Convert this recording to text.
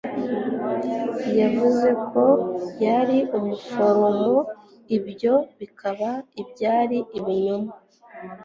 Yavuze ko yari umuforomo, ibyo bikaba byari ibinyoma.